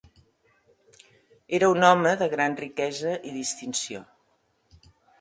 Era un home de gran riquesa i distinció.